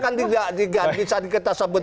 kan dia kan tidak bisa kita sebut